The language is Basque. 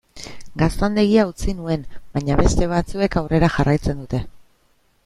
Gaztandegia utzi nuen, baina beste batzuek aurrera jarraitzen dute.